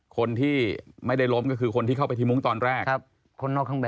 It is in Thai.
คนที่ไม่ได้ล้มก็คือคนที่เข้าไปที่มุ้งตอนแรก